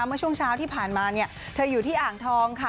เมื่อช่วงเช้าที่ผ่านมาเนี่ยเธออยู่ที่อ่างทองค่ะ